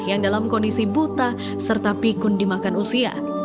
yang dalam kondisi buta serta pikun dimakan usia